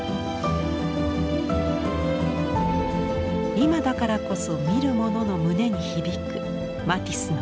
今だからこそ見る者の胸に響くマティスの魅力。